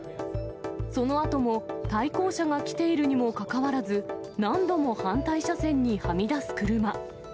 そのあとも対向車が来ているにもかかわらず、何度も反対車線にはみ出す車。